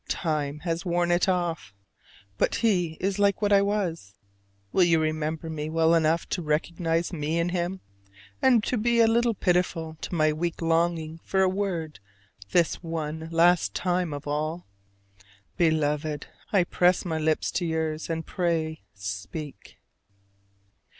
Time has worn it off: but he is like what I was. Will you remember me well enough to recognize me in him, and to be a little pitiful to my weak longing for a word this one last time of all? Beloved, I press my lips to yours, and pray speak!